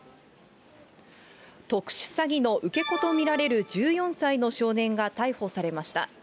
特殊詐欺の受け子と見られる１４歳の少年が逮捕されました。